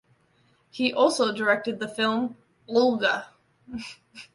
He also directed the film "Olga".